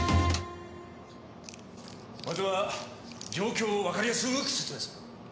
まずは状況をわかりやすーく説明する。